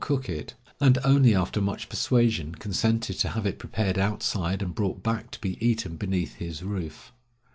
cook it, and only after much persuasion consented to have it prepared outside and brought back to be eaten beneath his roof.